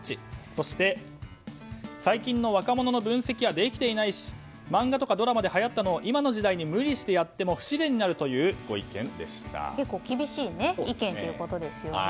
そして、最近の若者の分析ができていないし漫画とかドラマではやったものを今の時代に無理してやっても不自然になると思うという結構厳しい意見ということですよね。